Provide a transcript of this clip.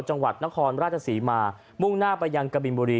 จังหวัดนครราชศรีมามุ่งหน้าไปยังกะบินบุรี